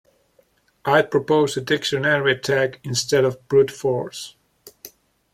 I'd propose a dictionary attack instead of brute force.